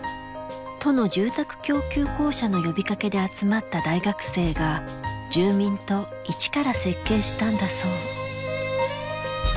都の住宅供給公社の呼びかけで集まった大学生が住民と１から設計したんだそう。